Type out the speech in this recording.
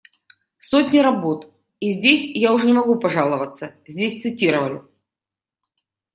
Сотни работ, и здесь я уже не могу пожаловаться, здесь цитировали.